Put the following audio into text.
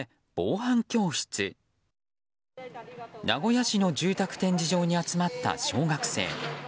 名古屋市の住宅展示場に集まった小学生。